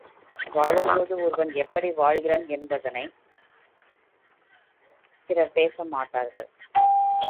வாழும் போது ஒருவன் எப்படி வாழ்கிறான் என்பதனைப் பிறர் பேச மாட்டார்கள்.